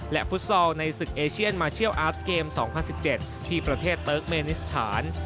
ฟุตซอลในศึกเอเชียนมาเชียลอาร์ตเกม๒๐๑๗ที่ประเทศเติร์กเมนิสถาน